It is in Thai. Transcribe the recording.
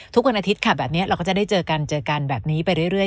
ทุกวันอาทิตย์ค่ะแบบนี้เราก็จะได้เจอกันเจอกันแบบนี้ไปเรื่อย